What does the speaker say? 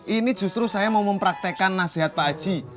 ini justru saya mau mempraktekan nasihat pak haji